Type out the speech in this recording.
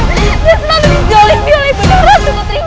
dan selalu dijolenti oleh bunda ratu kentrimanik